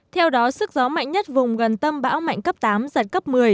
theo đó sức gió mạnh nhất vùng gần tâm bão mạnh cấp tám giật cấp một mươi